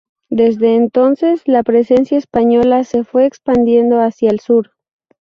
Desde entonces, la presencia española se fue expandiendo hacia el sur.